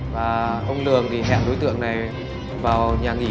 và ông lương thì hẹn đối tượng này vào nhà nghỉ